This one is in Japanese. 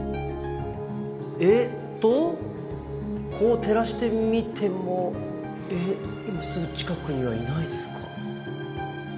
えっとこう照らしてみてもえっすぐ近くにはいないですか？